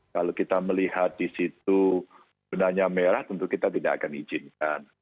kalau kita melihat di situ benanya merah tentu kita tidak akan izinkan